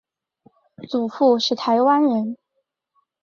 祖父是台湾人。